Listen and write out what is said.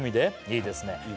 いいですね